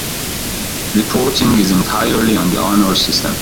Reporting is entirely on the honor system.